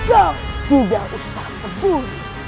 kau tidak bisa sembunyi